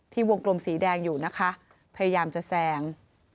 วงกลมสีแดงอยู่นะคะพยายามจะแซง